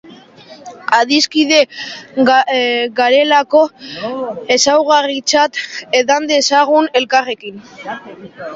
Adiskide garelako ezaugarritzat, edan dezagun elkarrekin.